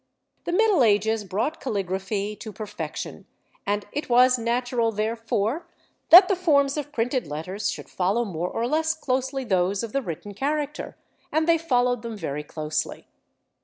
The Middle Ages brought caligraphy to perfection, and it was natural therefore that the forms of printed letters should follow more or less closely those of the written character, and they followed them very closely.